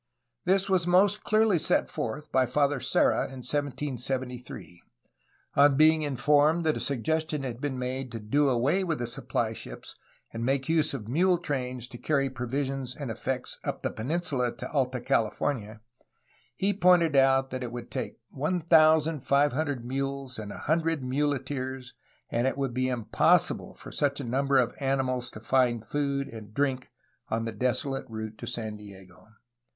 This was most clearly set forth by Father Serra in 1773. On being informed that a suggestion had been made to do away with the supply ships and make use of mule trains to carry provisions and effects up the peninsula to Alta California, he pointed out that it would take 1500 mules and a hundred muleteers, and it would be impossible for such a number of animals to find food and drink on the desolate route to San Diego.